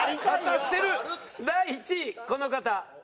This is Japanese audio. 第１位この方。